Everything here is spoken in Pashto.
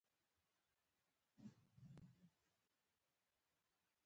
بامیان د افغانستان د پوهنې نصاب کې شامل دي.